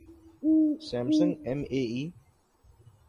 Samsung M A E